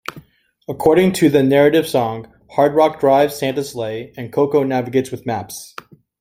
According to the narrative song, Hardrock drives Santa's sleigh, and Coco navigates with maps.